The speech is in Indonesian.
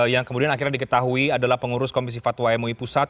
yang kemudian akhirnya diketahui adalah pengurus komisi fatwa mui pusat